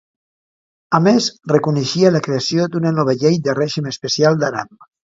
A més, reconeixia la creació d'una nova llei de règim especial d'Aran.